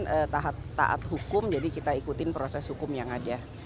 kemudian taat hukum jadi kita ikutin proses hukum yang ada